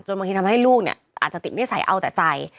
บางทีทำให้ลูกเนี่ยอาจจะติดนิสัยเอาแต่ใจ